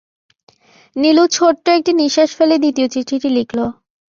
নীলু ছোট্ট একটি নিঃশ্বাস ফেলে দ্বিতীয় চিঠিটি লিখল।